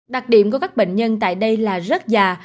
đặc điểm của các bệnh nhân tại đây là rất già